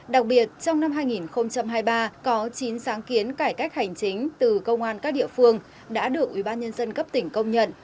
đặc biệt trong năm hai nghìn hai mươi ba có chín sáng kiến cải cách hành chính từ công an các địa phương đã được ubnd cấp tỉnh công nhận